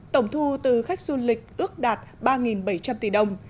tổng thu từ khách du lịch ước đạt ba bảy trăm linh tỷ đồng